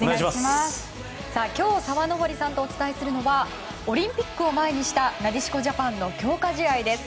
今日、澤登さんとお伝えするのはオリンピックを前にしたなでしこジャパンの強化試合です。